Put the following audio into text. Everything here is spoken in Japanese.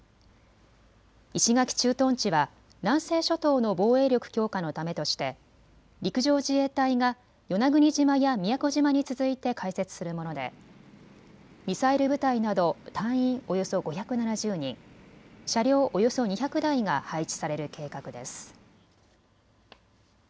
石垣駐屯地は南西諸島の防衛力強化のためとして陸上自衛隊が与那国島や宮古島に続いて開設するものでミサイル部隊など隊員およそ５７０人、車両およそ２００台が配置される計画です。